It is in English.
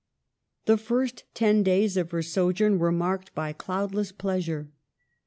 The first ten days of her sojourn were marked by cloudless pleasure.